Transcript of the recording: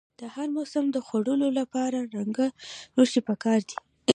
د هر موسم د خوړو لپاره رنګه لوښي پکار دي.